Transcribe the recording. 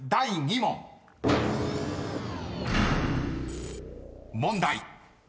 ［問題］